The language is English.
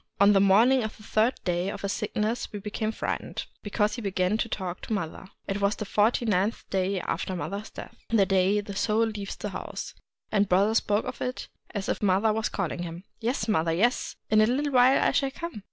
On the morning of the third day of his sickness we became frightened — because he began to talk to mother. It was the forty ninth day after mother's death, — the day the Soul leaves the house ;— and brother spoke as if mother was calling him :—' Yes, mother, yes !— in a little while I shall come